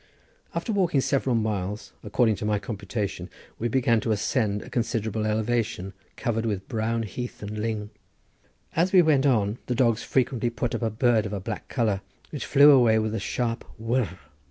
After walking several miles, according to my computation, we began to ascend a considerable elevation covered with brown heath and ling. As we went on the dogs frequently put up a bird of a black colour, which flew away with a sharp whirr.